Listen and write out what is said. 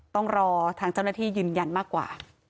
ต้องรอทางเจ้าหน้าที่ยืนยันมากกว่า